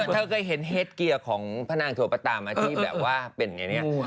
เธอเคยเห็นเฮ็ดเกียร์ของพระนางโถปะตามที่แบบว่าเป็นไงเนี่ย